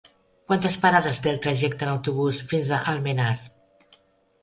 Quantes parades té el trajecte en autobús fins a Almenar?